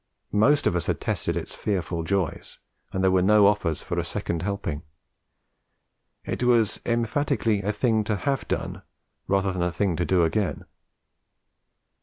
Most of us had tasted its fearful joys, and there were no offers for a second helping; it was emphatically a thing to have done rather than the thing to do again.